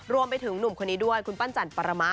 รวมไปถึงหนุ่มคนนี้ด้วยคุณปั้นจันปรมะ